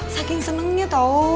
saking senangnya tau